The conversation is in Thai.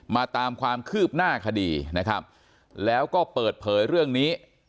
ตามความคืบหน้าคดีนะครับแล้วก็เปิดเผยเรื่องนี้